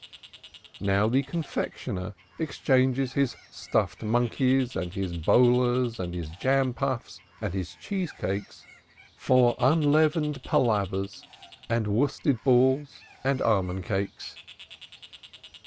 Now the confectioner exchanges his "stuffed monkeys," and his bolas and his jam puffs, and his cheese cakes for unleavened "palavas," and worsted balls and almond cakes.